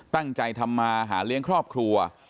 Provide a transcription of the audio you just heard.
ตั้งใจทำมาหาเลี้ยงครอบครัว